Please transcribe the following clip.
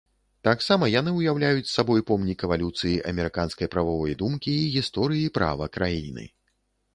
Таксама яны ўяўляюць сабой помнік эвалюцыі амерыканскай прававой думкі і гісторыі права краіны.